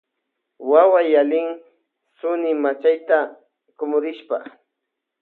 Wawa yalin sunimachayta kumurishpa.